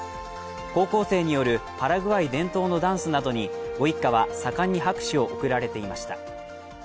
高校生によるパラグアイ伝統のダンスなどにご一家は盛んに拍手を送られていました。